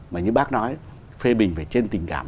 mà như bác nói phê bình phải trên tình cảm